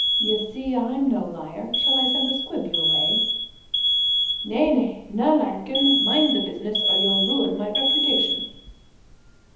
"You see I'm no liar. Shall I send a squib your way?" "Nay, nay, nae larking. Mind the business or you'll ruin my reputation."